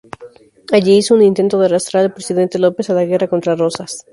Allí hizo un intento de arrastrar al presidente López a la guerra contra Rosas.